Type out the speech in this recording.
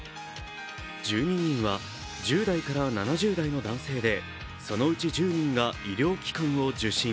１２人は１０代から７０代の男性でそのうち１０人が医療機関を受診。